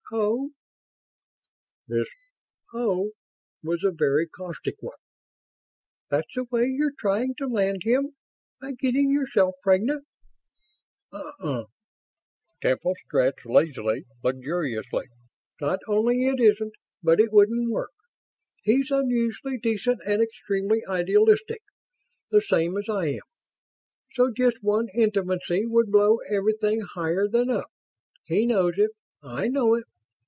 "Oh." This "oh" was a very caustic one. "That's the way you're trying to land him? By getting yourself pregnant?" "Uh uh." Temple stretched; lazily, luxuriously. "Not only it isn't, but it wouldn't work. He's unusually decent and extremely idealistic, the same as I am. So just one intimacy would blow everything higher than up. He knows it. I know it.